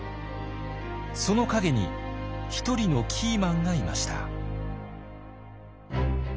その陰に一人のキーマンがいました。